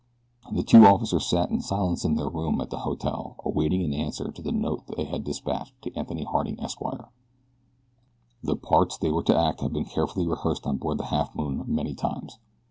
The two officers sat in silence in their room at the hotel awaiting an answer to the note they had dispatched to Anthony Harding, Esq. The parts they were to act had been carefully rehearsed on board the Halfmoon many times.